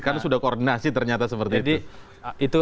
karena sudah koordinasi ternyata seperti itu